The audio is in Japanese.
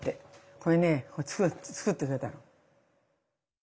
これね作ってくれたの。